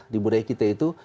di budaya kita itu